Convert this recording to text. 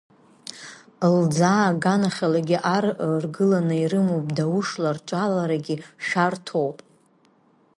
Лӡаа аганахьалагьы ар ргыланы ирымоуп, даушла рҿаларагьы шәарҭоуп.